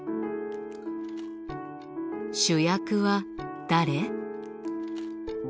主役は誰？